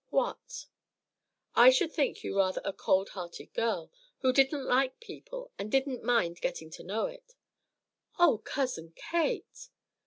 "What?" "I should think you rather a cold hearted girl, who didn't like people and didn't mind letting them know it." "Oh, Cousin Kate!"